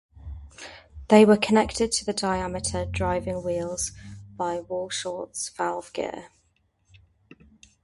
They were connected to the diameter driving wheels by Walschaerts valve gear.